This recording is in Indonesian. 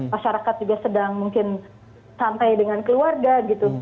masyarakat juga sedang mungkin santai dengan keluarga gitu